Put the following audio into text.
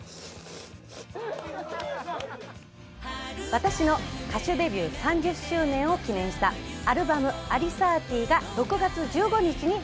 私の歌手デビュー３０周年を記念したアルバム『Ａｌｉ３０』が６月１５日に発売となります。